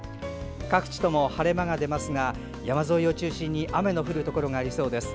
各地とも晴れ間が出ますが山沿いを中心に雨の降るところがありそうです。